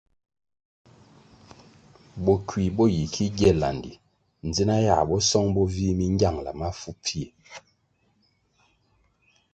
Bokui bo yi ki gie landi dzina yãh bo song bo vih mi ngiangla mafu pfie.